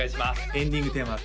エンディングテーマは＃